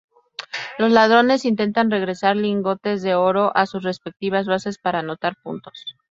Los ladrones intentan regresar lingotes de oro a sus respectivas bases para anotar puntos.